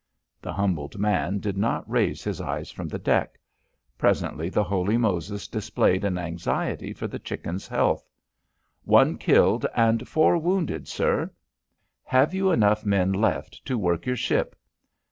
The humbled man did not raise his eyes from the deck. Presently the Holy Moses displayed an anxiety for the Chicken's health. "One killed and four wounded, sir." "Have you enough men left to work your ship?"